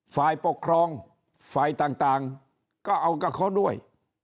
ฝ่ายปกครองฝ่ายต่างก็เอากับเขาด้วย